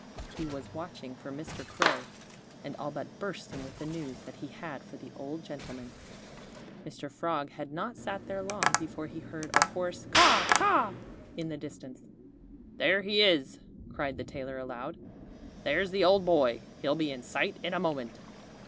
He was watching for Mr. Crow, and all but bursting with the news that he had for the old gentleman. Mr. Frog had not sat there long before he heard a hoarse Caw, caw! in the distance. "There he is!" cried the tailor aloud. "There's the old boy! He'll be in sight in a moment."